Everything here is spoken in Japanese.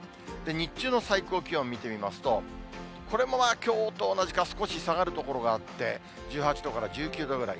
日中の最高気温見てみますと、これもきょうと同じか、少し下がる所があって１８度から１９度ぐらい。